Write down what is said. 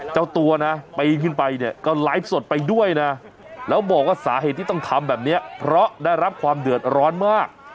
เจ้าตัวนะปีนขึ้นไปเนี่ยก็ไลฟ์สดไปด้วยนะแล้วบอกว่าสาเหตุที่ต้องทำแบบนี้เพราะได้รับความเดือดร้อนมาก